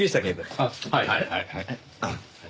あっはいはいはい。